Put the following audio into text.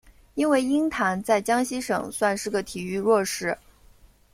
因为鹰潭在江西省算是个体育弱市。